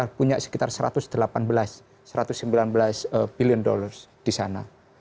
kita punya sekitar satu ratus delapan belas satu ratus sembilan belas billion dollar di sana